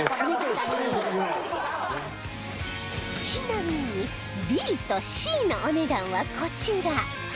ちなみに Ｂ と Ｃ のお値段はこちら